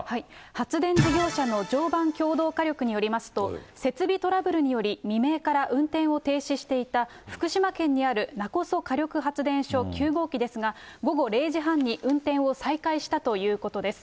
発電事業者の常磐共同火力によりますと、設備トラブルにより、未明から運転を停止していた、福島県にある勿来火力発電所９号機ですが、午後０時半に運転を再開したということです。